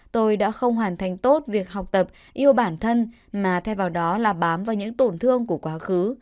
tôi đã không hoàn thành tốt việc học tập yêu bản thân mà thay vào đó là bám vào những tổn thương của quá khứ